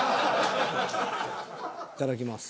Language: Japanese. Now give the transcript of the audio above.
いただきます。